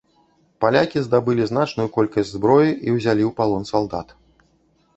Палякі здабылі значную колькасць зброі і ўзялі ў палон салдат.